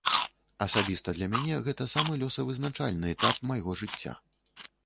Асабіста для мяне гэта самы лёсавызначальны этап майго жыцця.